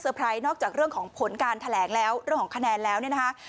ไพรส์นอกจากเรื่องของผลการแถลงแล้วเรื่องของคะแนนแล้วเนี่ยนะคะ